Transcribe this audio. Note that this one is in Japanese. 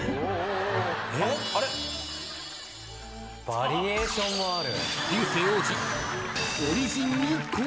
バリエーションもある。